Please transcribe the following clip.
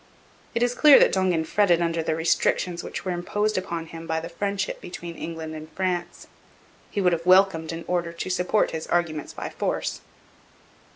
It is clear that Dongan fretted under the restrictions which were imposed upon him by the friendship between England and France. He would have welcomed an order to support his arguments by force.